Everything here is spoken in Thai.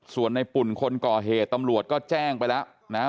ส่วนในปุ่นคนก่อเหตุตำรวจก็แจ้งไปแล้วนะฮะ